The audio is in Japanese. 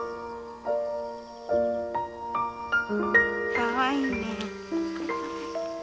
かわいいね。